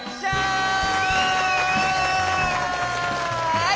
はい！